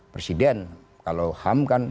presiden kalau ham kan